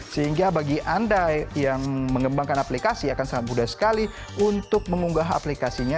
sehingga bagi anda yang mengembangkan aplikasi akan sangat mudah sekali untuk mengunggah aplikasinya